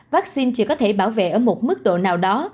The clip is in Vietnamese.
vaccine chỉ có thể bảo vệ ở một mức độ nào đó